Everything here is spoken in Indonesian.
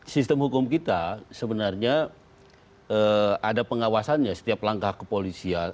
sistem hukum kita sebenarnya ada pengawasannya setiap langkah kepolisian